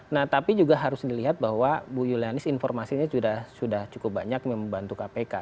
nah tapi juga harus dilihat bahwa bu julianis informasinya sudah cukup banyak membantu kpk